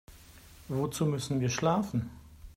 Wozu müssen wir schlafen?